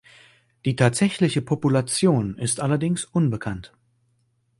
Die tatsächliche Population ist allerdings unbekannt.